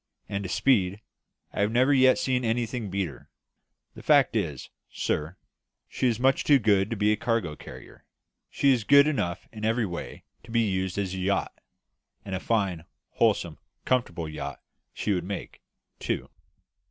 As to speed, I have never yet seen anything beat her. The fact is, sir, she is much too good to be a cargo carrier; she is good enough in every way to be used as a yacht; and a fine, wholesome, comfortable yacht she would make, too."